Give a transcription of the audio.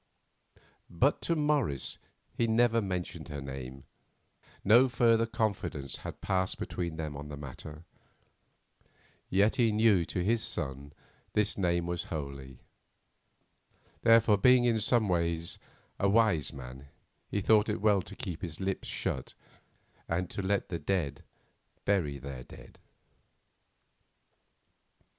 But to Morris he never mentioned her name. No further confidence had passed between them on the matter. Yet he knew that to his son this name was holy. Therefore, being in some ways a wise man, he thought it well to keep his lips shut and to let the dead bury their dead.